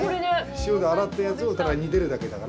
塩で洗ったやつをただ煮てるだけだから。